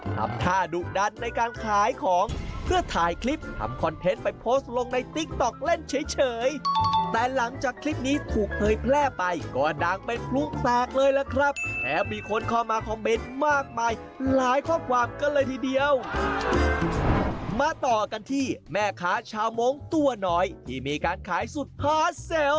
ทำท่าดุดันในการขายของเพื่อถ่ายคลิปทำคอนเทนต์ไปโพสต์ลงในติ๊กต๊อกเล่นเฉยแต่หลังจากคลิปนี้ถูกเผยแพร่ไปก็ดังเป็นพลุแตกเลยล่ะครับแถมมีคนเข้ามาคอมเมนต์มากมายหลายข้อความกันเลยทีเดียวมาต่อกันที่แม่ค้าชาวโม้งตัวน้อยที่มีการขายสุดฮาเซลล